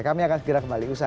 kami akan segera kembali